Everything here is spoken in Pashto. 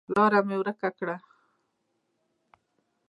لاره مې ورکه کړه